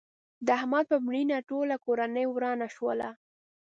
د احمد په مړینه ټوله کورنۍ ورانه شوله.